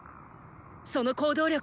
その行動力！